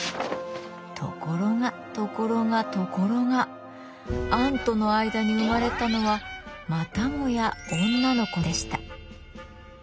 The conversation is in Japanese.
ところがところがところがアンとの間に生まれたのはまたもや女の子でした。